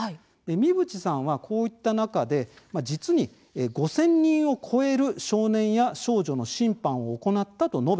三淵さんはこういった中で、実に５０００人を超える少年や少女の審判を行ったと述べています。